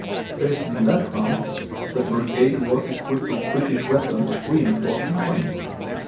Based in Latrun, the brigade was equipped with British weapons, reinforced and trained.